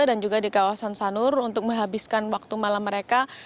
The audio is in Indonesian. dan juga di kawasan sanur untuk menghabiskan waktu malam mereka